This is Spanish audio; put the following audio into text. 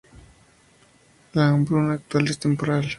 La hambruna actual es temporal.